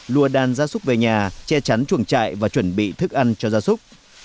lua đàn gia súc về nhà che chắn chuồng trại và chuẩn bị thức ăn cho gia súc